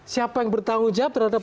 siapa yang bertanggung jawab terhadap